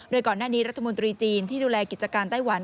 โดยก่อนหน้านี้รัฐมนตรีจีนที่ดูแลกิจการไต้หวัน